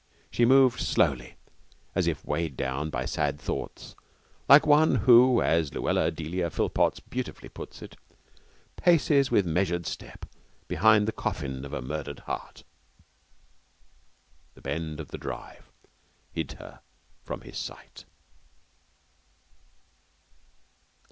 She moved slowly, as if weighed down by sad thoughts, like one who, as Luella Delia Philpotts beautifully puts it, paces with measured step behind the coffin of a murdered heart. The bend of the drive hid her from his sight.